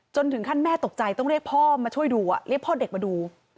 ถึงขั้นแม่ตกใจต้องเรียกพ่อมาช่วยดูเรียกพ่อเด็กมาดู